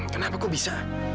kenapa kok bisa